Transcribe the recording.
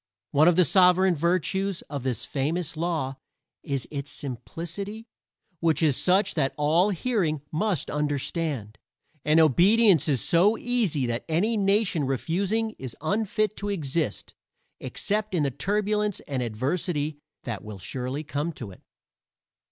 One of the sovereign virtues of this famous law is its simplicity, which is such that all hearing must understand; and obedience is so easy that any nation refusing is unfit to exist except in the turbulence and adversity that will surely come to it.